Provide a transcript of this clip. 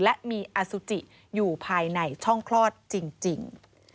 และมีอสุจิอยู่ภายในช่องคลอดจริง